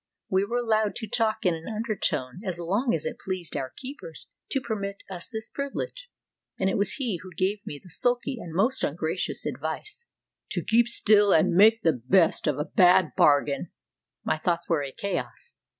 We were allowed to talk in an undertone as long as it pleased our keepers to permit us this privilege, and it was he who gave me the sulky and most ungracious advice, "to keep still and make the best of a bad bargain." My thoughts were a chaos.